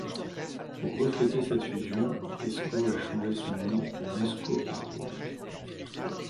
Pour refléter cette fusion, Esko a changé son nom en EskoArtwork.